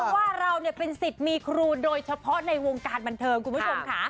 ว่าเราเป็นสิทธิ์มีครูโดยเฉพาะในวงการบันเทิงคุณผู้ชมค่ะ